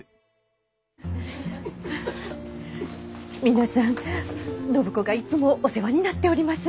皆さん暢子がいつもお世話になっております。